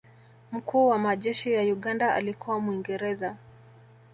mkuu wa majeshi ya uganda alikuwa mwingereza